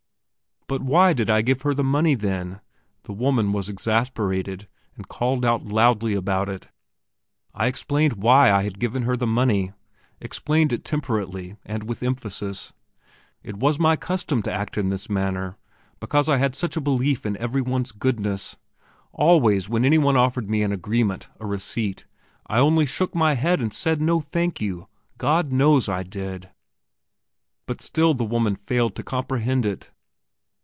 But why did I give her the money, then? The woman was exasperated, and called out loudly about it. I explained why I had given her the money, explained it temperately and with emphasis. It was my custom to act in this manner, because I had such a belief in every one's goodness. Always when any one offered me an agreement, a receipt, I only shook my head and said: No, thank you! God knows I did. But still the woman failed to comprehend it.